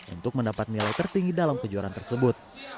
untuk mendapat nilai tertinggi dalam kejuaraan tersebut